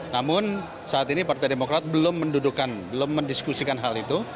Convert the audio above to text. namun saat ini partai demokrat belum mendudukan belum mendiskusikan hal itu